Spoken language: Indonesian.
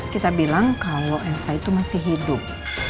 kita bilang kalau elsa itu masih hidup